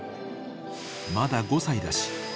［「まだ５歳だし」